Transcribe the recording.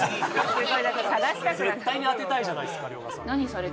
絶対に当てたいじゃないですか遼河さん。